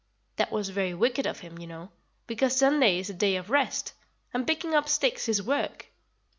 That was very wicked of him, you know, because Sunday is a day of rest, and picking up sticks is work.